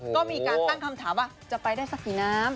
ก็มีการตั้งคำถามว่าจะไปได้สักกี่น้ำ